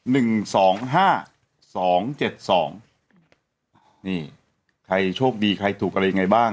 ๑๒๕๒๗๒นี่ใครโชคดีใครถูกอะไรยังไงบ้าง